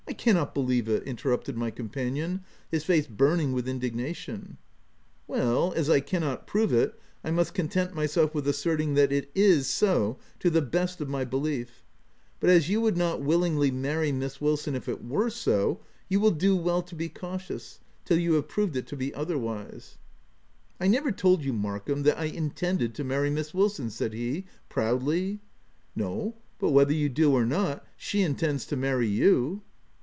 w 1 cannot believe it ;" interrupted my com panion, his face burning with indignation. " Well, as I cannot prove it, I must content myself with asserting that it is so to the best of my belief; but as you would not willingly marry Miss Wilson if it were so, you will do well to be cautious, till you have proved it to be otherwise." OF WIL.DFELL. HALL,. 181 " I never told you, Markham, that I intended to marry Miss Wilson/' said he proudly. " No, but whether you do or not, she intends to marry you."